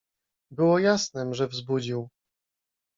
"Było jasnem, że wzbudził."